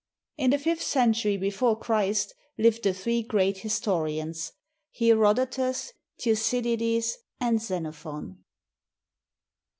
In the fifth century before Christ lived the three great historians, Herod otus, Thucydides, and Xenophon.